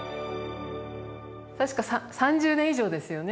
確か３０年以上ですよね